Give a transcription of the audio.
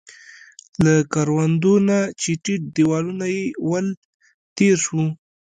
له کروندو نه چې ټیټ دیوالونه يې ول، تېر شوو.